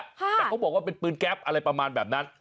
แต่เขาบอกว่าเป็นปืนแก๊ปอะไรประมาณแบบนั้น